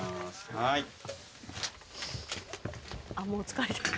あっもう疲れてる。